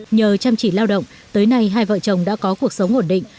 nhờ chăm chỉ lao động tới nay hai vợ chồng đã có cuộc sống ổn định